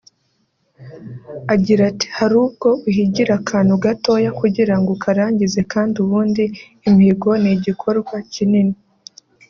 Agira ati “Hari ubwo uhigira akantu gatoya kugira ngo ukarangize kandi ubundi imihigo ni igikorwa kinini